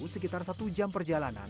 sekitar satu jam perjalanan